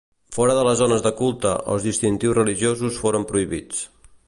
Fora de les zones de culte, els distintius religiosos foren prohibits.